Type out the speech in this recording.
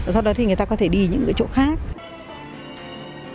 sau đó thì người ta có thể đi những cái chỗ khác